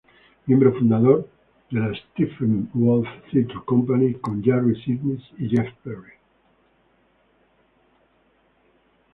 Miembro fundador de la Steppenwolf Theatre Company, con Gary Sinise y Jeff Perry.